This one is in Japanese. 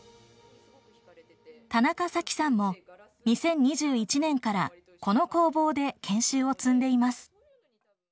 田中里姫さんも２０２１年からこの工房で研修を積んでいます。